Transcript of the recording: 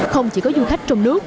không chỉ có du khách trùm đi